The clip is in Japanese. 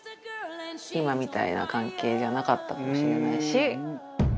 今みたいな関係じゃなかったかもしれないし。